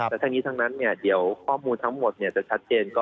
และทั้งนี้ทั้งนั้นค่อยแข็งข้อมูลทั้งหมดจะถูกเจน